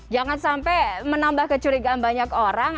jangan sampai menambah kecurigaan banyak orang